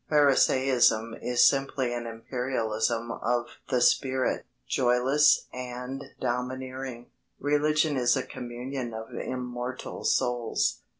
Pharisaism is simply an Imperialism of the spirit joyless and domineering. Religion is a communion of immortal souls.